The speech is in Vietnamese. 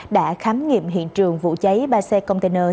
đã khám nghiệm hiện trường vụ cháy ba xe container